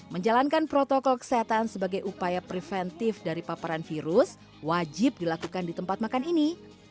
menjalankan protokol kesehatan sebagai upaya preventif dari paparan virus wajib dilakukan di tempat makan ini